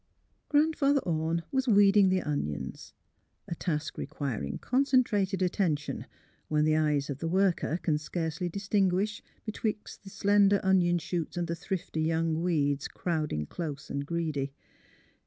155 156 THE HEAET OF PHILURA Grandfather Orne was weeding the onions, a task requiring concentrated attention, when the eyes of the worker can scarcely distinguish be twixt the slender onion shoots and the thrifty young weeds crowding close and greedy.